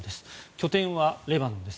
拠点はレバノンです。